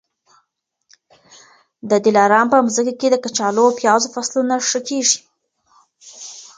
د دلارام په مځکي کي د کچالو او پیازو فصلونه ښه کېږي.